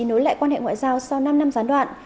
nối lại quan hệ ngoại giao sau năm năm gián đoạn